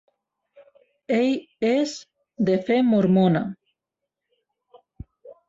Ell és de fe mormona.